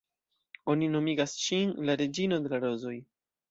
Oni nomigas ŝin "La Reĝino de la Rozoj".